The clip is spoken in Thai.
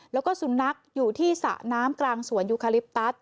แล้วก็สุนัขอยู่ที่สระน้ำกลางสวนยูคาลิปตัส